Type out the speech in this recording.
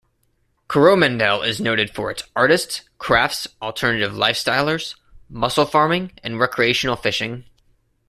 Coromandel is noted for its artists, crafts, alternative lifestylers, mussel farming, and recreational fishing.